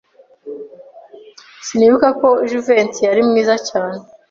Sinibuka ko Jivency yari mwiza cyane.